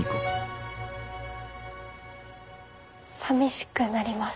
さみしくなります。